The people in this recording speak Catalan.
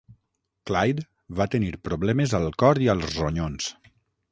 Clyde va tenir problemes al cor i als ronyons.